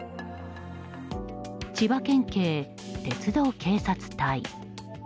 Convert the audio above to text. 千葉県警鉄道警察隊。